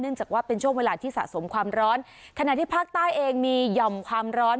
จากว่าเป็นช่วงเวลาที่สะสมความร้อนขณะที่ภาคใต้เองมีหย่อมความร้อน